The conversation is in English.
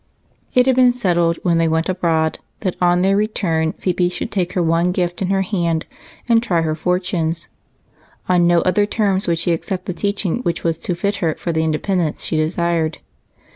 It had been settled, when they were abroad, that on their return Phebe should take her one gift in her hand and try her fortunes. On no other terms would she accept the teaching which was to fit her for the independence she desired.